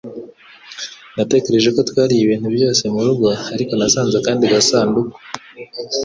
Natekereje ko twariye ibintu byose murugo ariko nasanze akandi gasanduku